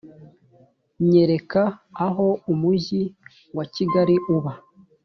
nyereka aho umujyi wa kigali uba